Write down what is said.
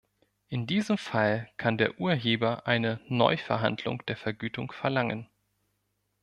In diesem Fall kann der Urheber eine Neuverhandlung der Vergütung verlangen.